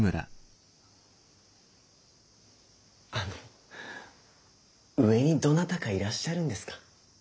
あの上にどなたかいらっしゃるんですか？